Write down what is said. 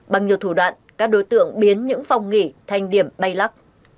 bằng nhiều thủ đoạn các đối tượng biến những phòng nghỉ thành điểm bay lắc